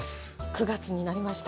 ９月になりました。